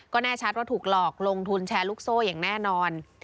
แน่ชัดว่าถูกหลอกลงทุนแชร์ลูกโซ่อย่างแน่นอน